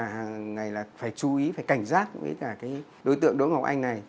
hàng ngày là phải chú ý phải cảnh giác với cả cái đối tượng đỗ ngọc anh này